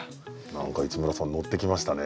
何か市村さんのってきましたね。